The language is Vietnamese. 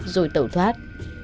rồi tẩu thoát